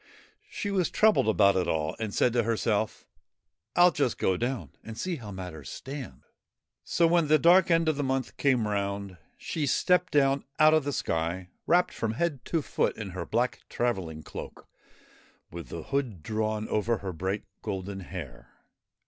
She was troubled about it all, and said to herself, ' I '11 just go down and see how matters stand.' 7 THE BURIED MOON So, when the dark end of the month came round, she stepped down out of the sky, wrapped from head to foot in her black travelling cloak with the hood drawn over her bright golden hair.